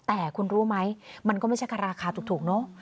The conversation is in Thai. แต่คุณรู้ไหมมันก็ไม่ใช่แค่ราคาถูกเนอะ